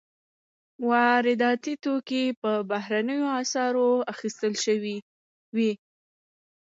وارداتي توکي په بهرنیو اسعارو اخیستل شوي وي.